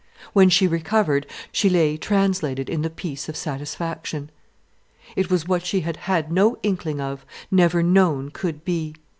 When she recovered, she lay translated in the peace of satisfaction. It was what she had had no inkling of, never known could be.